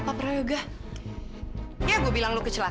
tertanda tanpa allah